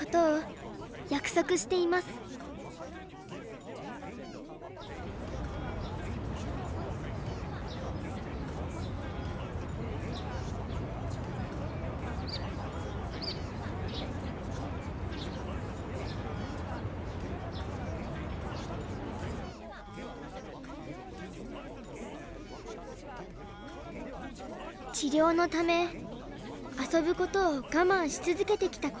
治療のため遊ぶことを我慢し続けてきた子どもがいます。